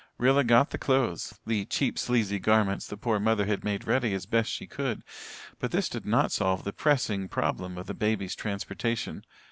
Rilla got the clothes the cheap, sleazy garments the poor mother had made ready as best she could. But this did not solve the pressing problem of the baby's transportation.